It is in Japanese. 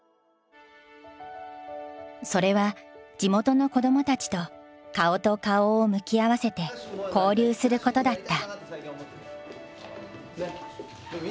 それは地元の子どもたちと顔と顔を向き合わせて交流することだった。